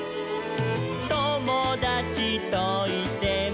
「ともだちといても」